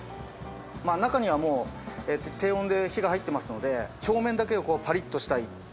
中には低温で火が入ってますので表面だけをぱりっとしたい。